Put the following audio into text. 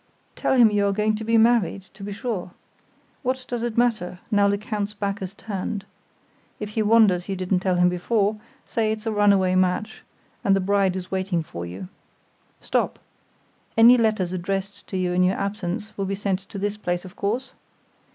"Tell him you are going to be married, to be sure! What does it matter, now Lecount's back is turned? If he wonders you didn't tell him before, say it's a runaway match, and the bride is waiting for you. Stop! Any letters addressed to you in your absence will be sent to this place, of course?